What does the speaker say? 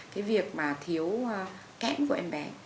cái việc mà thiếu kẽm của em bé